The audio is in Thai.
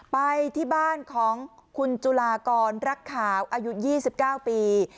ไปที่บ้านของคุณจุลากรรักขาวอายุ๒๙ปี